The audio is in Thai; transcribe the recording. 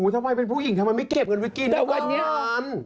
ทำไมเป็นผู้หญิงทำไมไม่เก็บเงินไปกิน